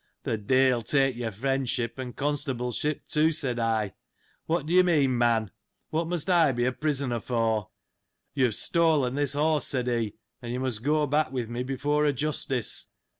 The de'il take your friendship, and constableship, too, said I ; what do you mean, man ? What must I be a prisoner for ?" You have stolen this horse," said he, " and you must go back with me be fore a Justice."